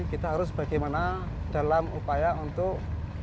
kita harus bagaimana dalam upaya untuk